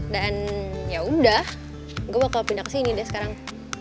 dan yaudah gue bakal pindah kesini deh sekarang